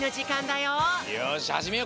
よしはじめようか。